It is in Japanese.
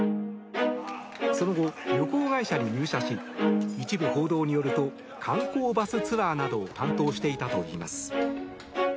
その後、旅行会社に入社し一部報道によると観光バスツアーなどを担当していたといいます。